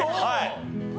はい。